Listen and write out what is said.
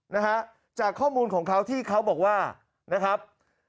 นะฮะจากข้อมูลของเขาที่เขาบอกว่านะครับ